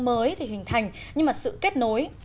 mới thì hình thành nhưng mà sự kết nối